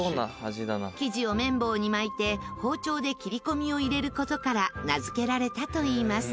生地を麺棒に巻いて包丁で切り込みを入れる事から名付けられたといいます。